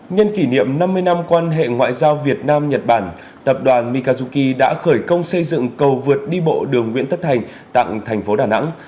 nhân kỷ niệm năm mươi năm quan hệ ngoại giao việt nam nhật bản tập đoàn mikazuki đã khởi công xây dựng cầu vượt đi bộ đường nguyễn thất thành tặng thành phố đà nẵng